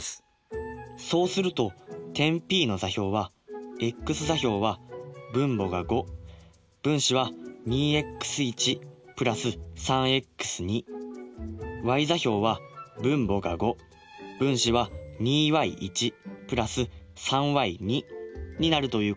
そうすると点Ｐの座標はｘ座標は分母が５分子は２ｘ＋３ｘｙ座標は分母が５分子は２ｙ＋３ｙになるということですか？